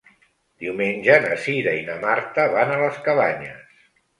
Diumenge na Cira i na Marta van a les Cabanyes.